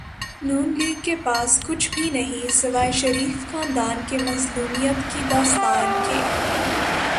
ن لیگ کے پاس کچھ بھی نہیں سوائے شریف خاندان کی مظلومیت کی داستان کے۔